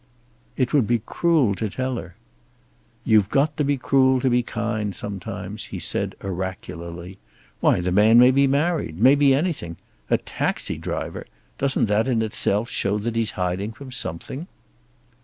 "It would be cruel to tell her." "You've got to be cruel to be kind, sometimes," he said oracularly. "Why, the man may be married. May be anything. A taxi driver! Doesn't that in itself show that he's hiding from something?"